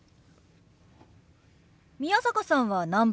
宮坂さんは何番目？